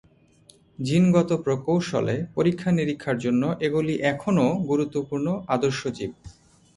জিনগত প্রকৌশলে পরীক্ষা-নিরীক্ষার জন্য এগুলি এখনও গুরুত্বপূর্ণ আদর্শ জীব।